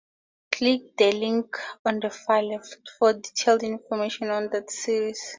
Click the link on the far left for detailed information on that series.